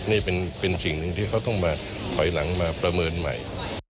นี่เป็นสิ่งหนึ่งที่เขาต้องมาถอยหลังมาประเมินใหม่